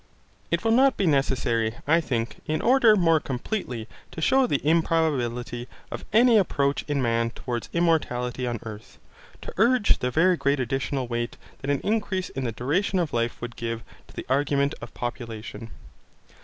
It will not be necessary, I think, in order more completely to shew the improbability of any approach in man towards immortality on earth, to urge the very great additional weight that an increase in the duration of life would give to the argument of population.